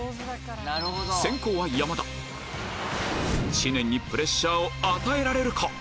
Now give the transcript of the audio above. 知念にプレッシャーを与えられるか？